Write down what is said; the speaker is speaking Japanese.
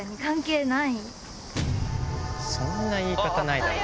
そんな言い方ないだろ。